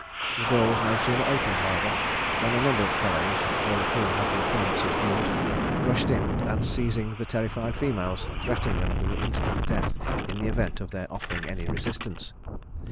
The door was no sooner opened, however, than a number of fellows, all of whom had the appearance of Jews, rushed in, and seizing the terrified females, threatened them with instant death in the event of their offering any resistance.